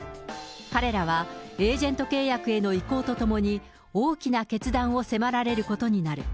彼らはエージェント契約への移行とともに、大きな決断を迫られることになる。